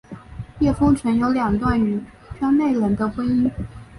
叶枫曾有过两段与圈内人的婚姻。